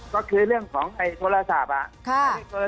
ก็คือเรื่องของในโทรศาสตร์